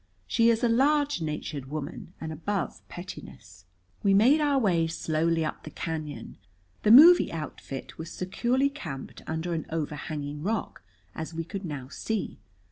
She is a large natured woman and above pettiness. We made our way slowly up the cañon. The movie outfit was securely camped under an overhanging rock, as we could now see.